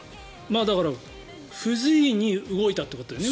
だから、不随意に動いたということだよね